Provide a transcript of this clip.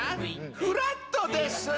フラットです。